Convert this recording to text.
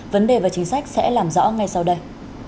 vấn đề và chính sách sẽ làm rõ ngay sau đây